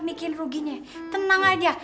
mikin ruginya tenang aja